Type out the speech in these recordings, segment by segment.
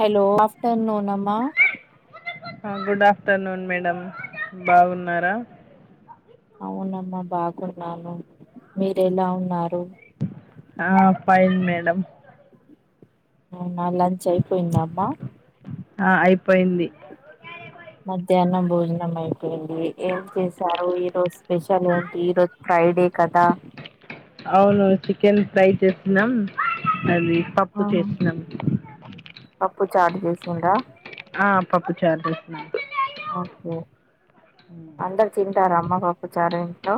Hello good afternoon అమ్మా ఆ good afternoon madam బాగున్నారా అవునమ్మా బాగున్నాను మీరు ఎలా ఉన్నారు ఆ ఫైన్ మేడం అవునా లంచ్ అయిపోయిందామ్మా ఆ అయిపోయింది మధ్యాహ్నం భోజనం అయిపోయింది ఏం చేసారు ఈ రోజు స్పెషల్ ఏంటి ఈ రోజ్ క ఫ్రైడే కదా అవును చికెన్ ఫ్రై చేస్తున్నాం అది పప్పు ఆహా చేసినాం పప్పు చారు చేసిందా ఆ పప్పు చారు చేసినా ఓకే అందరు తింటారా అమ్మ పప్పుచారు ఇంట్లో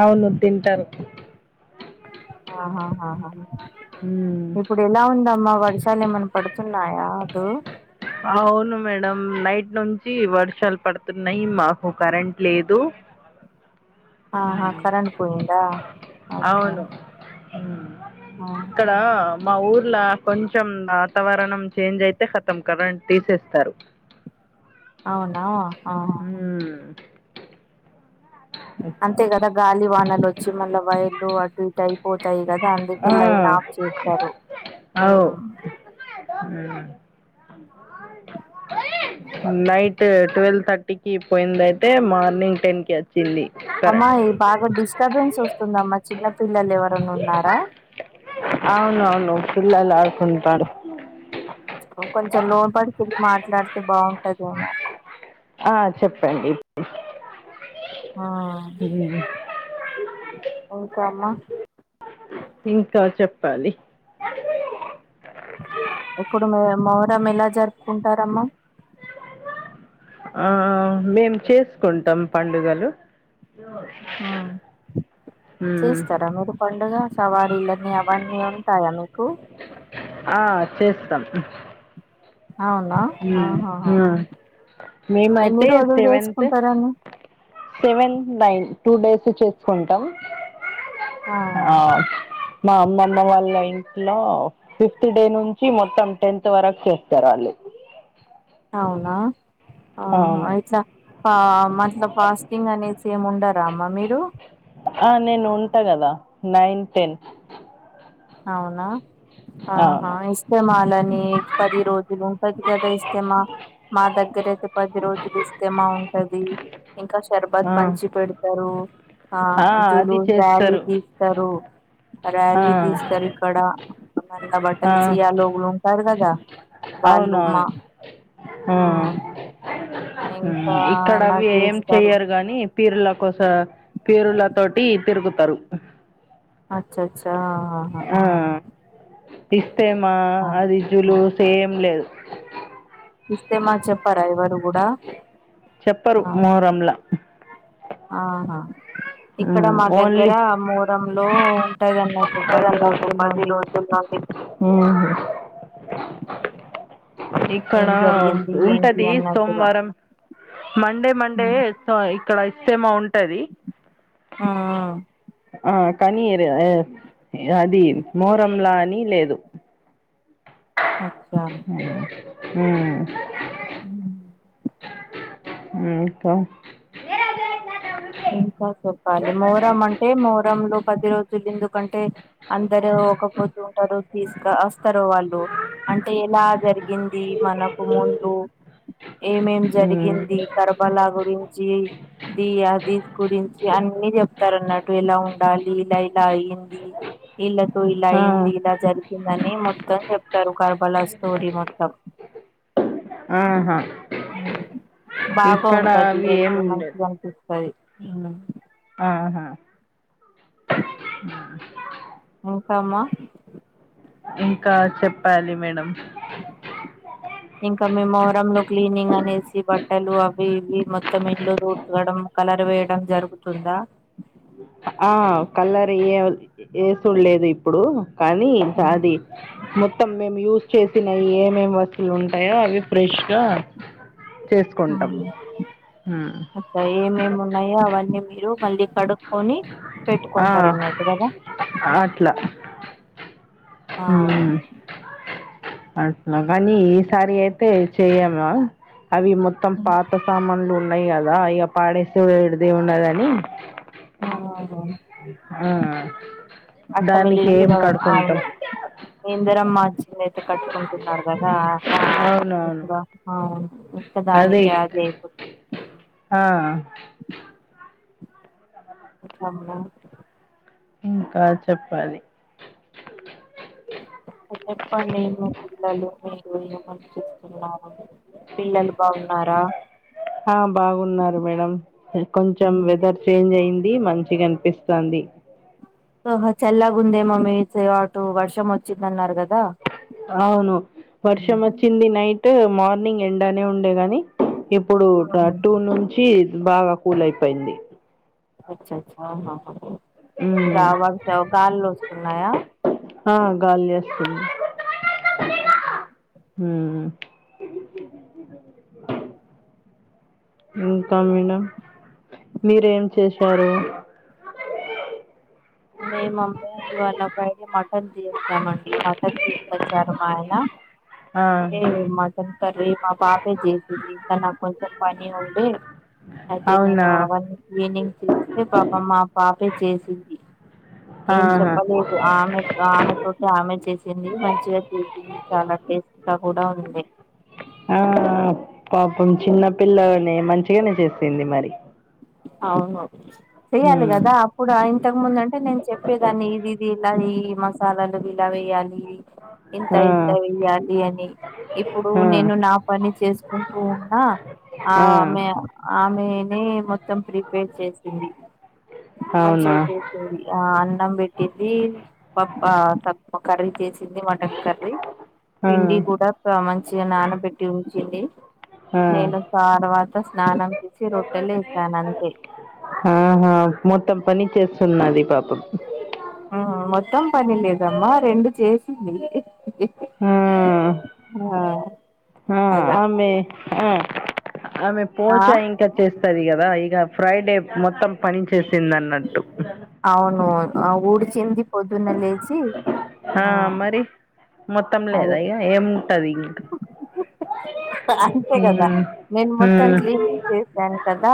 అవును తింటారు ఆహా హాహా మ్మ్. ఇప్పుడు ఎలా ఉందమ్మా వర్షాలు ఏమన్నా పడుతున్నా యా అదు అవును మేడం నైట్ నుంచి వర్షాలు పడుతున్నాయి మాకు కరెంట్ లేదు ఆహా మ్మ్. కరంట్ పోయిందా ఓకే అవును మ్మ్ ఇక్కడ మా ఊర్లో కొంచెం వాతావరణం చేంజ్ అయితే కతం కరెంట్ తీసేస్తారు అవునా ఆహా మ్మ్ అంతే కదా గాలి వానలు వచ్చి మళ్ళీ వైర్లు అటు ఇటు అయిపోతాయి కదా కదా అందుకే ఆ లైన్ ఆఫ్ చేస్తారు మ్మ్ నైట్ ట్వెల్వ్ థర్టీకిి పెండ్లి అయితే మార్నింగ్ టెన్ కి ఎత్ అమ్మాయ్ బాగా డిస్టర్బెన్స్ వస్తుందమ్మా చిన్న పిల్లలు ఎవరన్నా ఉన్నారా అవునవును పిల్లలు ఆడుకుంటారు కొంచెం లోన్ పాడికెళ్ళి మాట్లాడితే బాగుంటదేమో ఆ చెప్పండి ఆ [inaudible] ఇంకా చెప్పాలి ఎక్కడున్నావ్ మొహరం ఎలా జరుపుకుంటారమ్మా ఆ మేం చేసుకుంటాం పండుగలు ఆ మ్మ్ చేస్తారా మీరు పండుగ సవారీలన్నీ అవన్నీ ఉంటాయా మీకు ఆ చేస్తాం అవునా మ్మ్ ఆహాహా ఆ మేము ఎన్ని అయితే రోజులు సెవెన్త్ చేసుకుంటారని సెవెన్ నైన్ టూ డేసు చేసుకుంటాం ఆ మా అమ్మమ్మ వాళ్ళ ఇంట్లో ఫిఫ్త్ డే నుంచి మొత్తం టెన్త్ వరకు చేస్తారు వాళ్ళు అవునా ఆహా అవును ఇట్లా మట్ల ఫాస్టింగ్ అనేసి ఏమ్ ఉండరా అమ్మా మీరు ఆ నేను ఉంటా కదా నైన్ టెన్ అవునా ఆహా అవును ఇస్తేమాలని నే పది రోజులు ఉంటటి కదా ఇస్తేమా మా దగ్గర అయితే పది రోజులు ఇస్తే బ ఉంటది ఇంకా షర్బత్ ఆ, పంచి పెడుతరు ఆ జులు అది ర్యాలీ చేస్తారు తీస్తారు ఆ, ర్యాలీ తీస్ అక్కడ మళ ఆ, బట్టలు సియాలోగులు ఉంటారు కదా వాళ్ళు మా అవునవును ఆ ఉమ్ ఇంకా మ్మ్ ఇక్కడ ఎలా అవి ఏం చేస్తారు చెయ్యరు గని పీర్ల కోస పీరుల తోటి తిరుగుతారు అచ్చచ్చా ఆహా ఆ ఇత్తెమా అదిజులు ఏమ్ లేదు ఇస్తే మన్ చెప్పరా ఎవరు గూడా చెప్పరు మోరంలా ఆహా ఇక్కడ మా దగ్గర మూరం లో ఉంటది అన్నట్టు పది రోజుల నుండి అవి ఉ [inaudible] ఇక్కడ ఏం జరిగింది ఏంటి ఉంటది అన్నట్టుగా సోమవారం మండే మండే ఇస్త ఇక్కడ ఇస్తేమ ఉంటది ఆ ఆ కానీ అది మోరంలా అని లేదు అచ్చా హ ఉ ఉ ఇంకా ఇంకా చెప్పాలి మోరం అంటే మోరంలో పది రోజులు ఎందుకంటే అందరు ఒకపోద్దు ఉంటారు తీస్ కాస్ స్తారు వాళ్ళు అంటే ఎలా జరిగింది మనకు ముందు ఏమేం మ్మ్ జరిగింది కర్బలా గురించి ది దిడ్ గురించి అన్ని చెప్తారు అన్నట్టు ఎలా ఉండాలి లైక్ ఇలా అయింది ఈల్ల తో ఇలా ఆ అయింది ఇలా జరిగిందని మొత్తం చెప్తరు కర్బలా స్టోరీ మొత్తం ఆహా బాగా ఇక్కడ ఉంటది అవి ఏం వెళ్తే లేదు మంచిగా అనిపిస్తు సరి ఉమ్ ఆహా ఇంకా మా ఇంకా చెప్పాలి మేడం ఇంకా మేము లో క్లీనింగ్ అనేసి బట్టలు అవి ఇవి మొత్తం ఇంలో ఉతకడం కలర్ వేయడం జరుగు తుందా ఆ కలర్ ఏయ ఏసుడులేదు ఇప్పుడు కానీ అది మొత్తం మేము యూజ్ చేసినవి ఏమేం వస్తువులు ఉంటాయో అవి ఫ్రెష్గా చేసుకుంటాం ఉమ్. అక్కడ ఏమేమి ఉన్నాయో అవన్నీ మీరు మళ్ళీ కడుక్ కొని ఆ పెట్టుకుంటారు అన్నట్టు కదా అట్లా ఆ అవును అట్ల కానీ ఈసారి అయితే చెయమా అవి మొత్తం పాత సామాన్లు ఉన్నాయి కదా ఇక పాడేసేడు విడిదే ఉన్నదని ఆ ఆ దానికి ఏం కడుకుంటాం ఇందరమ్మ అ చ్చిందయితే కట్టుకుంటున్నారు కదా అవునవును ఇప్పుడ అవును ఇక్క అదే దానికి ఆడి అయిపోతాది ఆ ఇంకా మేడం ఇంకా చెప్పాలి చెప్పండి నను పిల్లలు మీరు ఏమనిచెస్తున్నాను పిల్లలు బాగున్నారా ఆ బాగున్నారు మేడం కొంచెం వెదర్ చేంజ్ అయింది మంచిగా అనిపిస్తాంది ఇ ఆహ చల్లగుందేమో మీ అటు వర్షం వచ్చిందన్నారు కదా అవును వర్షం వచ్చింది నైట్ మార్నింగ్ ఎండానే ఉండే గాని ఇప్పుడు ట ఆహా, టూ నుంచి బాగా కూల్ అయిపోయింది అచ్చ అచ్చ ఆహా ఆహా ఇంగా మ్మ్ వ గాలోస్తున్నాయా ఆ గాలిలేస్తుంది ఓహో హు ఇంకా మేడం మీరేం చేశారు మేము మమ్మీ వాళ్ళ [unintelligible] మటన్ తీ చ్చామండి మటన్ తీస్కొని వచ్చారు మా ఆయన ఆ అయితే మటన్ కర్రీ మా పాపే చేసింది ఇంకా నాకు కొంచెం పని ఉండే అయితే అవునా నేను అవన్నీ క్లీనింగ్ చేస్తే పాపం ఆ పాపే చేసింది ఏం ఆహా చెప్పలేదు ఆమె ఆమె తోటి ఆమె చేసింది మంచిగా చేసింది చాలా టేస్ట్ గా కూడా ఉంది ఆ పాపం చిన్నపిల్లనే మంచిగానే చేసింది మరి అవును చెయ్యాలి మ్మ్ కదా అప్పుడు ఇంతకు ముందు అంటే నేను చెప్పేదాన్ని ఇది ఇది ఇలా ఈ మసాలలు ఇలా వెయ్యాలి ఇంత ఆ ఇంత వెయ్యాలి అని ఇప్పుడు ఆ నేను నా పని చేసుకు టువున్న ఆ ఆమే అమేనే మో మొత్తం ప్రిపేర్ చేసింది అవునా మంచిగా చేసింది ఆ అన్నం బెట్టింది పప్ప కర్రీ చేసింది మటన్ కర్రీ ఆ పిండి కూడా మంచిగా నానబెట్టి ఉంచింది ఆ నేను తర్వాత స్నానం చేసి రొట్టలే ఆహా మొత్తం పని చేస్తున్నది పాపం ఉ మొత్తం పని లేదమ్మా రెండు చేసింది ఆ ఆ ఆ అలా ఆమె ఆ ఆమె ఆ పోచా ఇంకా చేస్తది కదా ఇక ఫ్రైడే మొత్తం పని చేసింది అన్నట్టు అవును ఆ ఊడిచింది పొద్దున్న లేచి ఆ మరి మొత్తం లేదు అదే అయ ఏముంటది ఇంకా అంతే కదా మ్మ్ నేను మొత్తం మ్మ్ క్లీనింగ్ చేసాను కదా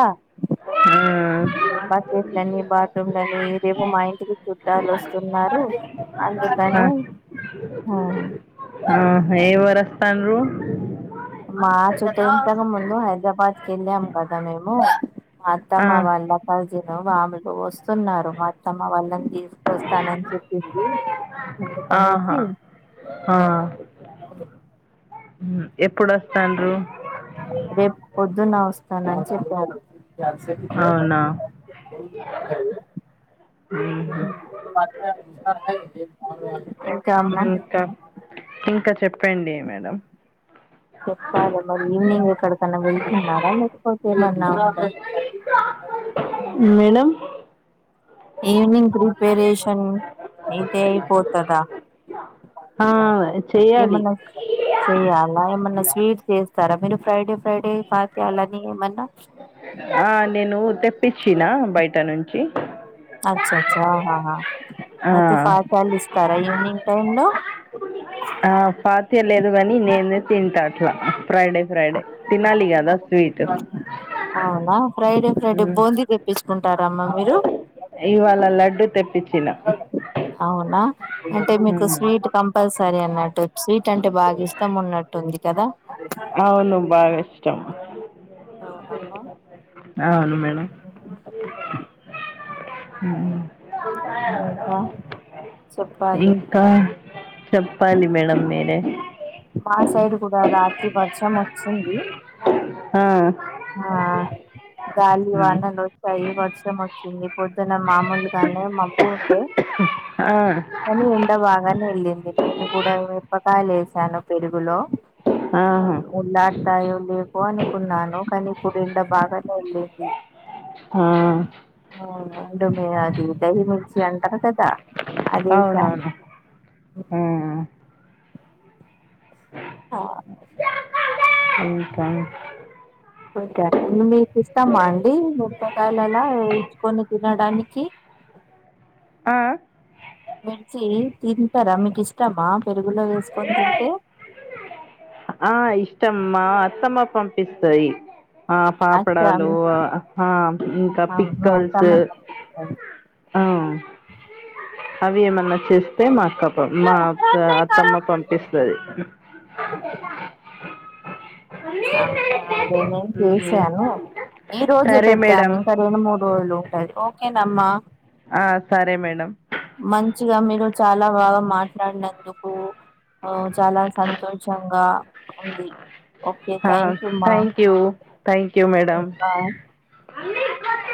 బాకెట్లని బాత్రూమ్లని రేపు మా ఇంటికి చూ ట్టాలు వస్తున్నారు అందుకని ఆ ఆహా ఎవరూ వస్తండ్రూ మా [unintelligible] ముందు హైదరాబాద్ కి వెళ్ళాం కదా మేము మా ఆ అత్తమ్మ వాళ్ళ కజిన్ వా ఆమెతో వస్తున్నారు మా అత్తమ్మ వాళ్ళని తీసు వస్తానని చెప్పింది ఆహా అందుకనేసి ఉ అవును ఉ ఎప్పుడు వస్తండ్రు స్తానని చెప్పారు అవునా [inaudible] ఊహు [inaudible] ఇంకా ఉ అమ్మ ఇంకా ఇంకా చెప్పండి మేడం చెప్పాలి మరి ఈవినింగ్ ఎక్కడకన్నా వెళ్తున్నారా లేకపోతే ఎళన్నా [inaudible] మేడం ఈవినింగ్ ప్రిపరేషన్ అయితే అయిపోతారా ఆ చెయ్యాలి ఏమన్నా చేయాలా ఏమన్నా స్వీట్ చేస్తారా మీరు ఫ్రైడే ఫ్రైడే పాత్యాలని ఏమన్నా ఆ నేను తెప్పించిన బయట నుంచి అచ్చ అచ్చాహాహా ఆ అయితే ఫాతియాలు ఇస్తారా ఈవినింగ్ టైం లో ఆ తెలేదు కానీ నేను తింటా అట్లా ఫ్రైడే ఫ్రైడే తినాలి కదా స్వీట్ అవునా ఫ్రైడే ఫ్రైడే మ్మ్. బూందీ తెప్పించుకుంటారా అమ్మా మీరు ఇవాళ లడ్డుూ తెప్పించిన అవునా అంటే మీకు మ్మ్. స్వీట్ కంపల్సరీ అన్నట్టు స్వీట్ అంటే బాగా ఇష్టం ఉన్నట్టు ఉంది కదా అ అవును బాగా ఇష్టం అవును చెప్ప ఉ ఇంకా చెప్పాలి ఇంకా చెప్పాలి మేడంమ్ మీరే తీ వర్షం వచ్చింది ఆ ఆ గాలి ఉమ్. వానలు వచ్చాయి వర్షం వచ్చింది పొద్దున మామూలుగానే మబ్బు ఉండే ఆ కానీ ఎండ బాగానే వెళ్ళి ది నేను కూడా మిరపకాయలు వేశాను పెరుగులో ఆహా ఉళ్లాడతాయో లేవో అనుకున్నాను కానీ ఇప్పుడు ఎండ బాగానే వెళ్ళింది ఆ రండు మే అది దయిమిర్చి అంటరు కదా అదే వేసా అవునవును ఆ ఇంకా ఇంకా మీకి ఇష్టమ అండి మిరపకాయలు అలా వేయించుకొని తినడానికి ఆ మిర్చి తింటారా మీకి ఇష్టమా పెరుగులో వేసుకొని తింటే ఆ ఇష్టం మా అత్తమ్మ పంపిస్తది ఆ అచ్చ పాపడాలు ఆ ఇంకా ఆహా మీ పిక్కల్స్ అత్తమ్మ పంపిస్తది ఆ ఉ అవి ఏమన్నా చేస్తే మా కపం మా అత్త అత్తమ్మ పంపిస్తది అవునా అది నెన్ తీసాను ఈ రోజే సరే పెట్టాను మేడం ఇంకా రెండు మూడు రోజులు ఉంటాది ఓకేనమ్మా ఆ సరే మేడం మంచిగా మీరు చాలా బాగా మాట్లాడినందుకు ఉ చాలా సంతోషంగా ఉంది ఓకే థ్యాంక్ యూ మ thank you thank you madam ఉంటా